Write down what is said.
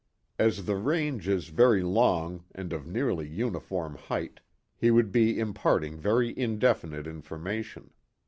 As the range is very long, and of nearly uniform height, he would be imparting very indefinite information.